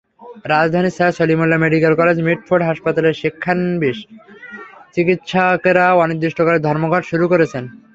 রাজধানীর sir Salimullah medical college Mitford হাসপাতালের শিক্ষানবিশ চিকিৎসকেরা অনির্দিষ্টকালের ধর্মঘট শুরু করেছেন।